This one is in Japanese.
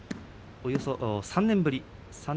およそ３年ぶりです。